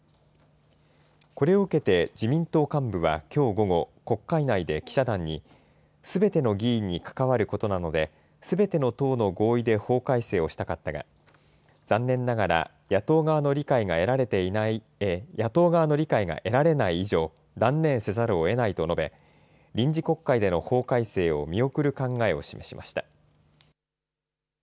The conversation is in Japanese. これを受けて自民党幹部はきょう午後、国会内で記者団に、すべての議員に関わることなので、すべての党の合意で法改正をしたかったが、残念ながら野党側の理解が得られない以上、断念せざるをえないと述べ、臨時国会での法改正を見送る考えを示しました。